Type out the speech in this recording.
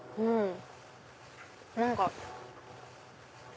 うん！